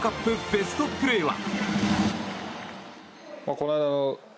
ベストプレーは？